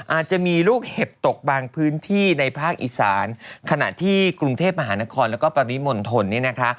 อาจจะมีลูกเห็บตกบางพื้นที่ในภาคอีสานขณะที่กรุงเทพมหานครแล้วก็ปริมณฑลเนี่ยนะคะ